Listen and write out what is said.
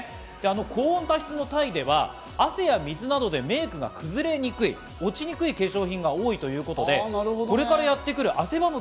高温多湿のタイでは汗や水などでメイクが崩れにくい、落ちにくい化粧品が多いということで、これからやってくる汗ばむ